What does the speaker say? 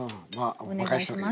お願いします。